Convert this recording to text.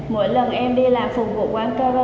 mỗi lần em đi làm phục vụ quán cơ